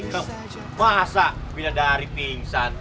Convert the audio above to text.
loh masa bidadari pingsan